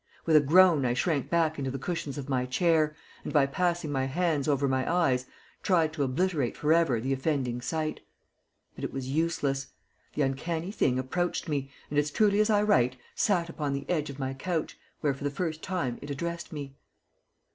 With a groan I shrank back into the cushions of my chair, and by passing my hands over my eyes tried to obliterate forever the offending sight; but it was useless. The uncanny thing approached me, and as truly as I write sat upon the edge of my couch, where for the first time it addressed me.